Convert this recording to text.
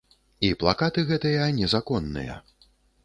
І плакаты гэтыя незаконныя.